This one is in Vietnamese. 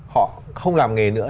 họ không làm nghề nữa